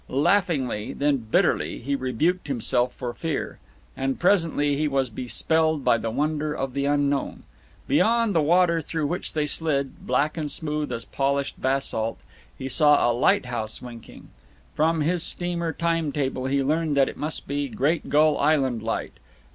Laughingly, then bitterly, he rebuked himself for fear. And presently he was bespelled by the wonder of the unknown. Beyond the water through which they slid, black and smooth as polished basalt, he saw a lighthouse winking. From his steamer time table he learned that it must be Great Gull Island light.